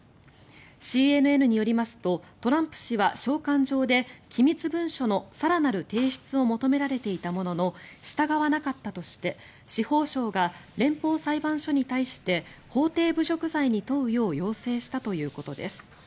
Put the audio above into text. ＣＮＮによりますとトランプ氏は召喚状で機密文書の更なる提出を求められていたものの従わなかったとして司法省が連邦裁判所に対して法廷侮辱罪に問うよう要請したということです。